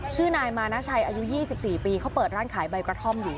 ชื่อนายมานาชัยอายุ๒๔ปีเขาเปิดร้านขายใบกระท่อมอยู่